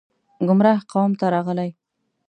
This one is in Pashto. ګمراه قوم ته راغلي